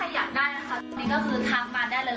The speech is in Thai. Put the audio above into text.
ถ้าใครอยากได้มันก็คือ๑๐๐๐ได้เลย